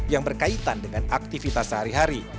yang berkaitan dengan aktivitas sehari hari